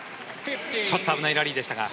ちょっと危ないラリーでしたが。